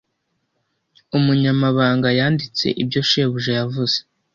Umunyamabanga yanditse ibyo shebuja yavuze.